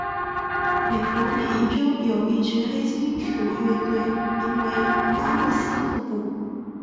美国缅因洲有一支黑金属乐队名为拉洛斯瀑布。